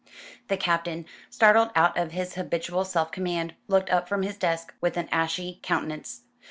The Captain, startled out of his habitual self command, looked up from his desk with an ashy countenance.